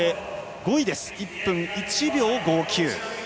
１分１秒５９。